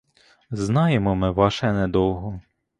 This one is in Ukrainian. Знаємо ми ваше недовго.